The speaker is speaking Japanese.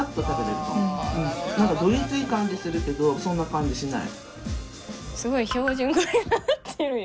何かどぎつい感じするけどそんな感じしない。